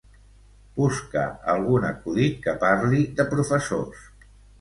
Busca algun acudit que parli de professors.